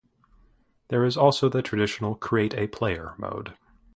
There is also the traditional create-a-player mode.